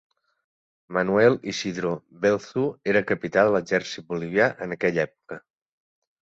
Manuel Isidro Belzu era capità de l'exèrcit bolivià en aquella època.